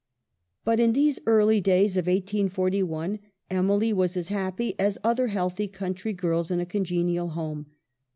But in these early days of 1841, Emily was as happy as other healthy country girls in a con genial home.